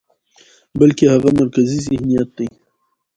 بلکې هغه مرکزي ذهنيت دى،